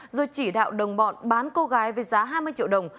rồi chỉ đạo đồng bọn bán cô gái với giá hai mươi triệu đồng